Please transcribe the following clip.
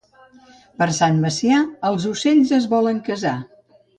Per Sant Macià els ocells es volen casar.